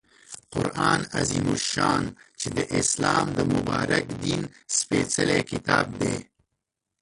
قرآن عظیم الشان چې د اسلام د مبارک دین سپیڅلی کتاب دی